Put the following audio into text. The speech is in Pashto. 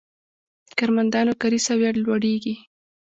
د کارمندانو کاري سویه لوړیږي.